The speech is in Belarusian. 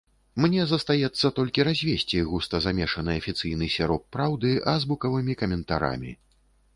Мне застаецца толькі развесці густа замешаны афіцыйны сіроп праўды азбукавымі каментарамі.